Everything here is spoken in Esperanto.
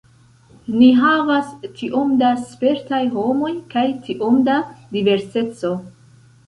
Ni havas tiom da spertaj homoj kaj tiom da diverseco.